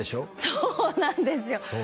そうなんですよ